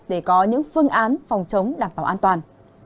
để có những phương án phòng chống đảm bảo an toàn